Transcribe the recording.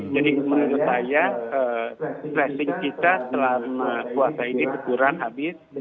menurut saya tracing kita selama puasa ini berkurang habis